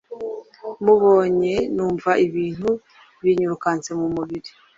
Mubonye numva ibintu binyirukanse mu mubiri ,